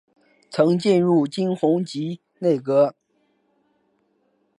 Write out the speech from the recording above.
曾进入金弘集内阁。